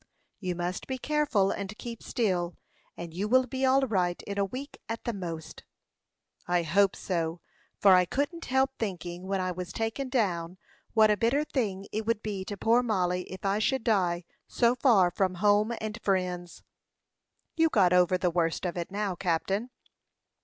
"You must be careful, and keep still; and you will be all right in a week, at the most." "I hope so; for I couldn't help thinking, when I was taken down, what a bitter thing it would be to poor Mollie if I should die so far from home and friends." "You have got over the worst of it now, captain."